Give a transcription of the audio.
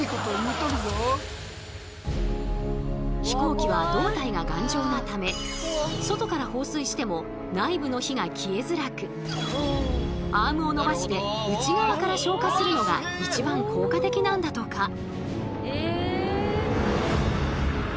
飛行機は胴体が頑丈なため外から放水しても内部の火が消えづらくアームを伸ばして内側から消火するのが一番効果的なんだとか。